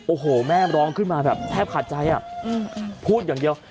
โอ้โหแม่ร้องขึ้นมาแบบแทบขาดใจพูดอย่างเดียว